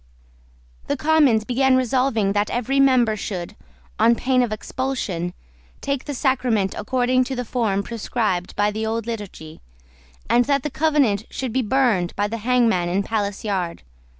The Commons began by resolving that every member should, on pain of expulsion, take the sacrament according to the form prescribed by the old Liturgy, and that the Covenant should be burned by the hangman in Palace Yard.